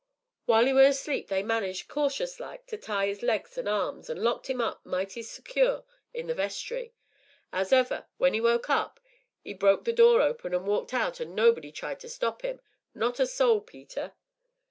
While 'e were asleep they managed, cautious like, to tie 'is legs an' arms, an' locked 'im up, mighty secure, in the vestry. 'Ows'ever, when 'e woke up 'e broke the door open, an' walked out, an' nobody tried to stop 'im not a soul, Peter."